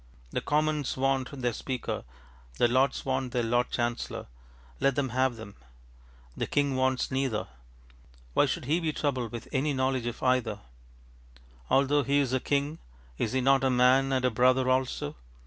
The Commons want their Speaker, the Lords want their Lord Chancellor let them have them. The king wants neither. Why should he be troubled with any knowledge of either? Although he is a king is he not a man and a brother also?